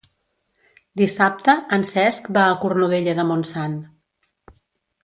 Dissabte en Cesc va a Cornudella de Montsant.